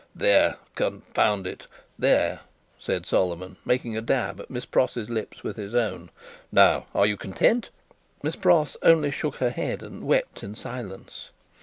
"There. Confound it! There," said Solomon, making a dab at Miss Pross's lips with his own. "Now are you content?" Miss Pross only shook her head and wept in silence.